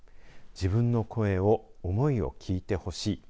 自分の声を思いを聞いてほしい。